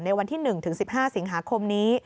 ในวันที่๑๑๕สิงหาคมนี้